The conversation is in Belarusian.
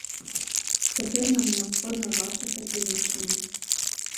Цяпер нам неабходна ваша садзейнічанне.